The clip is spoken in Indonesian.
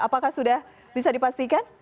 apakah sudah bisa dipastikan